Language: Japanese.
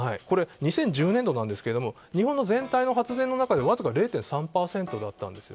２０１０年度ですが日本全体の発電の中でわずか１０％だったんです。